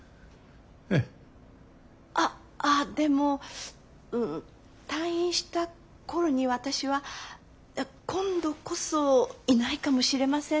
あっあでも退院した頃に私は今度こそいないかもしれませんので。